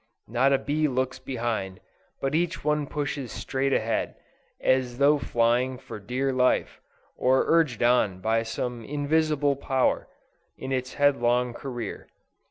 Not a bee looks behind, but each one pushes straight ahead, as though flying "for dear life," or urged on by some invisible power, in its headlong career.